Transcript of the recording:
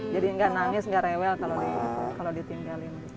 jadi nggak nangis nggak rewel kalau ditinggalin